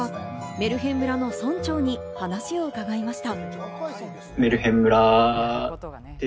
メルヘン村の村長に話を伺いました。